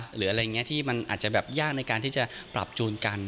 หรืออะไรอย่างนี้ที่มันอาจจะแบบยากในการที่จะปรับจูนกัน